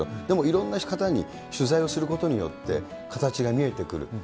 でもいろんな方に取材をすることによって、形が見えてくる。